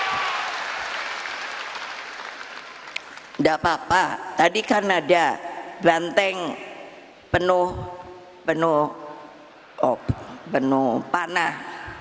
tidak apa apa tadi kan ada banteng penuh penuh panah